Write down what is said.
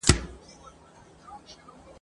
عدالت خو به اوس دلته چلېدلای ..